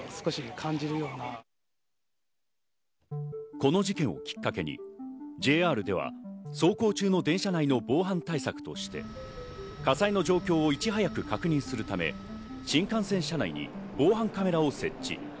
この事件をきっかけにＪＲでは走行中の電車内の防犯対策として火災の状況をいち早く確認するため新幹線車内に防犯カメラを設置。